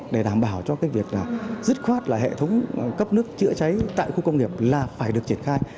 để đảm bảo cho cái việc là dứt khoát là hệ thống cấp nước chữa cháy tại khu công nghiệp là phải được triển khai